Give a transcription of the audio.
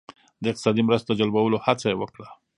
د اقتصادي مرستو د جلبولو هڅه یې وکړه.